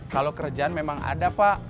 kalau kerjaan memang ada pak